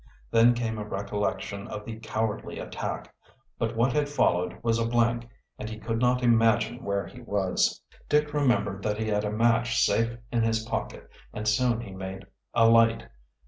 Then came a recollection of the cowardly attack. But what had followed was a blank, and he could not imagine where he was. Dick remembered that he had a match safe in his pocket, and soon he made a light.